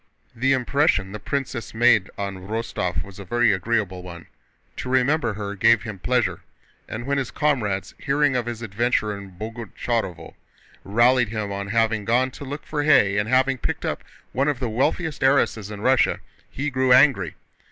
The impression the princess made on Rostóv was a very agreeable one. To remember her gave him pleasure, and when his comrades, hearing of his adventure at Boguchárovo, rallied him on having gone to look for hay and having picked up one of the wealthiest heiresses in Russia, he grew angry.